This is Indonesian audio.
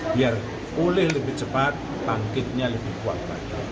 biar pulih lebih cepat bangkitnya lebih kuat lagi